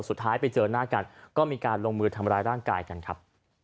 สุดท้ายไปเจอหน้ากันก็มีการลงมือทำร้ายร่างกายกันครับ